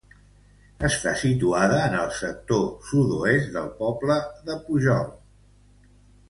Està situada en el sector sud-oest del poble de Pujol.